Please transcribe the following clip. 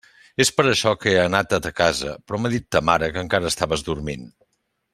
És per això que he anat a ta casa, però m'ha dit ta mare que encara estaves dormint.